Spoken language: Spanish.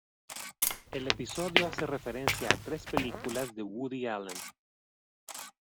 El episodio hace referencia a tres películas de Woody Allen.